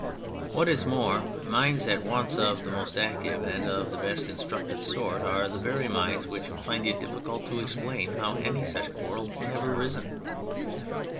What is more, minds at once of the most active and of the best instructed sort are the very minds which fmd it difficult to explain how any such quarrel can have arisen.